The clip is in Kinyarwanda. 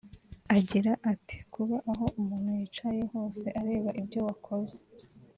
Agira ati ˝Kuba aho umuntu yicaye hose areba ibyo wakoze